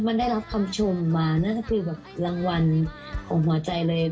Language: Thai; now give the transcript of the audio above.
มันได้รับคำชมมานั่นก็คือแบบรางวัลของหัวใจเลย